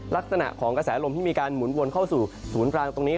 ลักษณะของกระแสลมที่มีการหมุนวนเข้าสู่ศูนย์กลางตรงนี้